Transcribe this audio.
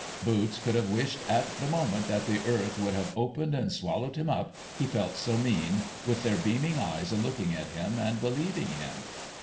Boots could have wished at the moment that the earth would have opened and swallowed him up, he felt so mean, with their beaming eyes a looking at him, and believing him.